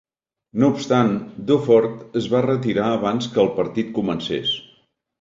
No obstant, Dufort es va retirar abans que el partit comencés.